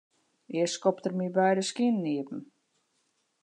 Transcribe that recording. Earst skopt er myn beide skinen iepen.